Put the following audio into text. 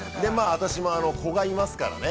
◆私も子がいますからね。